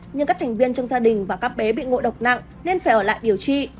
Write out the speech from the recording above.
nhưng các thành viên trong gia đình và các bé bị ngộ độc nặng nên phải ở lại điều trị